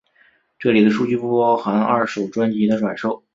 这里的数据不包含二手专辑的转售。